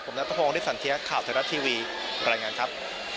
ผมนัทธพงษ์อฤทธิ์สันเทียข่าวเทราชทีวีบรรยายงานครับ